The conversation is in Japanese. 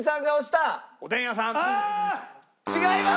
違います！